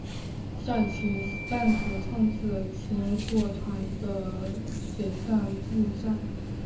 赛艇泛指控制艇或船的水上竞赛。